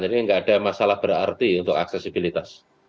jadi tidak ada masalah berarti untuk aksesibilitas